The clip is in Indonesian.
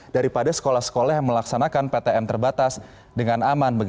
daripada sekolah sekolah yang melaksanakan ptm terbatas dengan aman